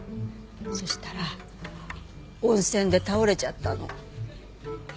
そしたら温泉で倒れちゃったの。